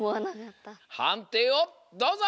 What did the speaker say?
はんていをどうぞ！